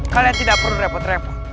kalian tidak perlu repot repot